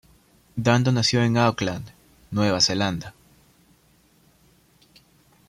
Dando nació en Auckland, Nueva Zelanda.